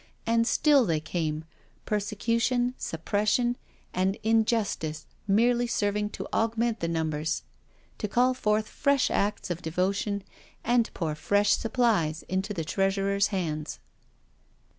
And still they came, persecution, suppression, and injustice merely serving to augment the numbers — to call forth fresh acts of devotion, and pour fresh supplies into the treasurer's hands.